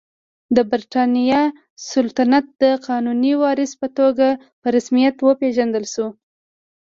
د برېټانیا سلطنت د قانوني وارث په توګه په رسمیت وپېژندل شو.